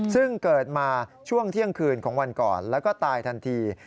ซึ่งเกิดมาช่วงเที่ยงคืนของวันก่อนแล้วก็ตายทันที